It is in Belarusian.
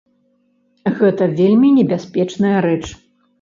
Гэта вельмі небяспечная рэч.